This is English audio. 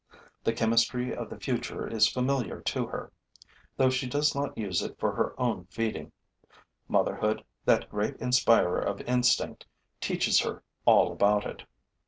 The chemistry of the future is familiar to her, though she does not use it for her own feeding; motherhood, that great inspirer of instinct, teaches her all about it.